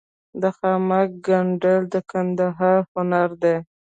د خامک ګنډل د کندهار هنر دی.